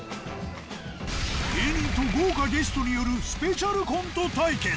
芸人と豪華ゲストによるスペシャルコント対決。